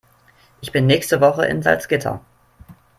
Ich bin nächste Woche in Salzgitter